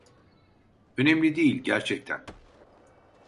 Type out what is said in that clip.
Önemli değil, gerçekten.